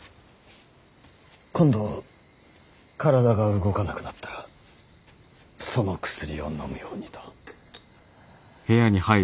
今度体が動かなくなったらその薬を飲むようにと。